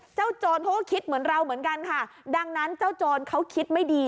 โจรเขาก็คิดเหมือนเราเหมือนกันค่ะดังนั้นเจ้าโจรเขาคิดไม่ดี